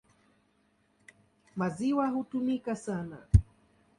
Maziwa hutumika sana.